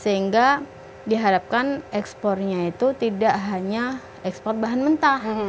sehingga diharapkan ekspornya itu tidak hanya ekspor bahan mentah